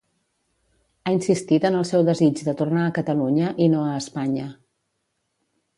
Ha insistit en el seu desig de tornar a Catalunya i no a Espanya.